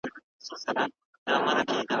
که طوفان بند شي، موږ به د کښتۍ په لور حرکت وکړو.